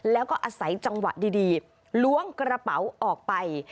แล้วก็อาศัยจังหวะดีล้วงกระเป๋าออกไป